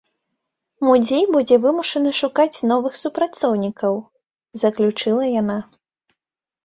Музей будзе вымушаны шукаць новых супрацоўнікаў, заключыла яна.